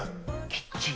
キッチン。